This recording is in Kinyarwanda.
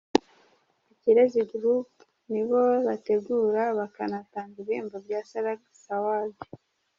Ikirezi Group nibo bategura bakanatanga ibihembo bya Salax Awards.